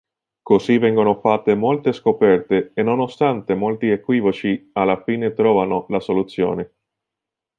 Così vengono fatte molte scoperte e nonostante molti equivoci alla fine trovano la soluzione.